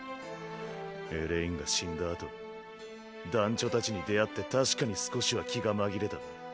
エレインが死んだあと団ちょたちに出会って確かに少しは気が紛れた。